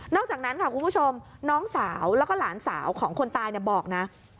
อกจากนั้นค่ะคุณผู้ชมน้องสาวแล้วก็หลานสาวของคนตายบอกนะ